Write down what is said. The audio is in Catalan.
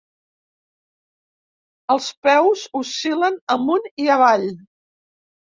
Els peus oscil·len amunt i avall.